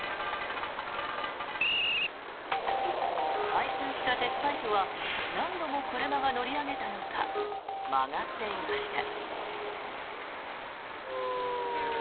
回収した鉄パイプは何度も車が乗り上げたのか曲がっていました。